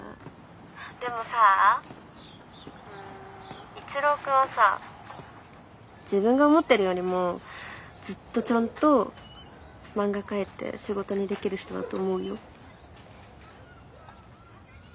でもさあうん一郎君はさ自分が思ってるよりもずっとちゃんと漫画描いて仕事にできる人だと思うよ。